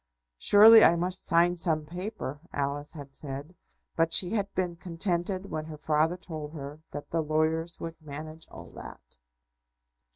"Surely I must sign some paper," Alice had said. But she had been contented when her father told her that the lawyers would manage all that.